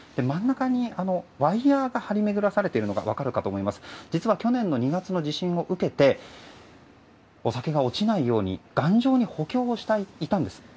真ん中にワイヤが張り巡らされているのが分かるかと思いますが実は去年２月の地震を受けてお酒が落ちないように頑丈に補強していたんです。